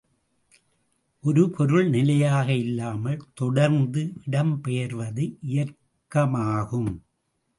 ஒரு பொருள் நிலையாக இல்லாமல் தொடர்ந்து இடம் பெயர்வது இயக்கமாகும்.